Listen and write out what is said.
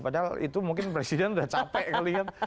padahal itu mungkin presiden udah capek kalian